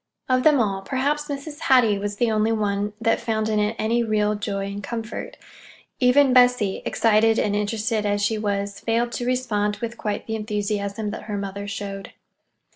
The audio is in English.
Of them all, perhaps Mrs. Hattie was the only one that found in it any real joy and comfort. Even Bessie, excited and interested as she was, failed to respond with quite the enthusiasm that her mother showed.